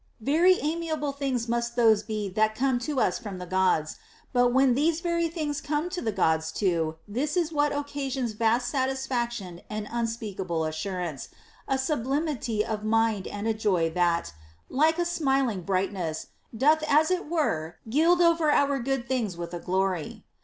23. Very amiable things must those be that come to us from the Gods ; but when these very things come by the Gods too, this is what occasions vast satisfaction and un speakable assurance, a sublimity of mind and a joy that, like a smiling brightness, doth as it were gild over our good tilings with a glory.